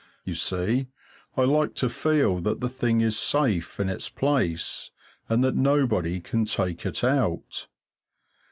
You see, I like to feel that the thing is safe in its place, and that nobody can take it out.